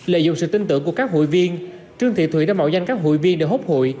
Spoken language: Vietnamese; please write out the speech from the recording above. lợi dụng sự tin tưởng của các hội viên trương thị thùy đã mạo danh các hụi viên để hốt hụi